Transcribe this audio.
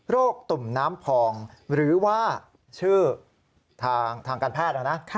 ตุ่มน้ำพองหรือว่าชื่อทางการแพทย์นะนะ